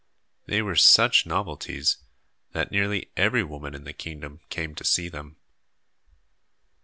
They were such novelties that nearly every woman in the kingdom came to see them.